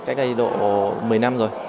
cách đây độ một mươi năm rồi